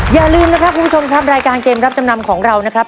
อย่าลืมนะครับคุณผู้ชมครับรายการเกมรับจำนำของเรานะครับ